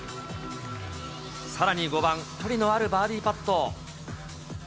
さらに５番、距離のあるバーディーパット。